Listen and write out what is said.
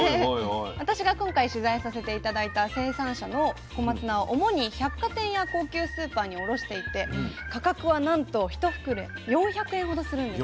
私が今回取材させて頂いた生産者の小松菜は主に百貨店や高級スーパーに卸していて価格はなんと１袋４００円ほどするんです。